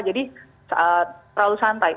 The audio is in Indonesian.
jadi terlalu santai